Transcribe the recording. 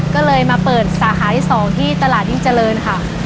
ก็เลยมาเปิดสาขาที่๒ที่ตลาดยิ่งเจริญค่ะ